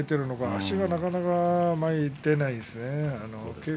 足がなかなか前に出ないですね。